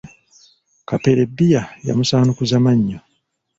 Kapere bbiya yamusaanukuza mmannyo .